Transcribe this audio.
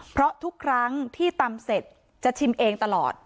เพราะทุกครั้งที่ตำเสร็จจะชิมเองตลอด